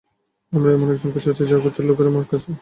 আমরা এমন একজনকে চাচ্ছি, যার গোত্রের লোকেরা মক্কায় আছে।